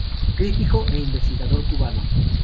Crítico e investigador cubano.